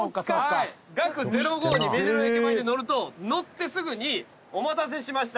学０５に目白駅前で乗ると乗ってすぐに「お待たせしました。